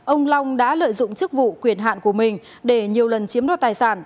ông long đã lợi dụng chức vụ quyền hạn của mình để nhiều lần chiếm đoạt tài sản